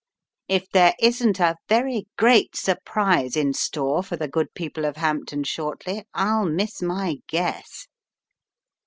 "If there isn't a very great surprise in store for the good people of Hampton shortly I'll miss my guess."